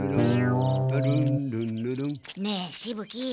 ねえしぶ鬼。